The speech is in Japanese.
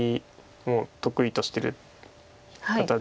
もう得意としてる方で。